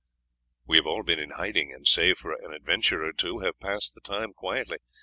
"We have all been in hiding, and save for an adventure or two have passed the time quietly.